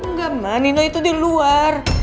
enggak mbak nino itu di luar